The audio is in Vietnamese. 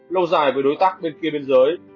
lâu dài với đối tác bên kia bên dưới